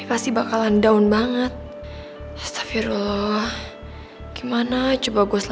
reset banget sih lama lama ngesel